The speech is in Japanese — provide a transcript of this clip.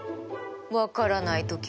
分からない時は？